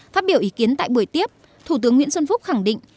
phát biểu ý kiến tại buổi tiếp thủ tướng nguyễn xuân phúc khẳng định